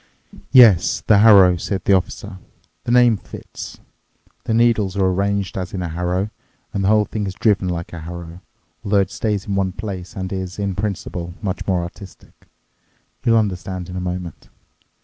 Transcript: "Yes, the harrow," said the Officer. "The name fits. The needles are arranged as in a harrow, and the whole thing is driven like a harrow, although it stays in one place and is, in principle, much more artistic. You'll understand in a moment.